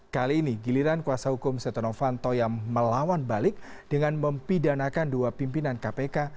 kali ini giliran kuasa hukum setia novanto yang melawan balik dengan mempidanakan dua pimpinan kpk